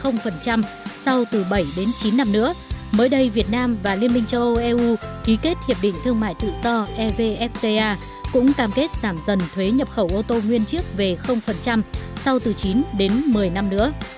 năm đến chín năm nữa mới đây việt nam và liên minh châu âu eu ký kết hiệp định thương mại tự do evfta cũng cam kết giảm dần thuế nhập khẩu ô tô nguyên chiếc về sau từ chín đến một mươi năm nữa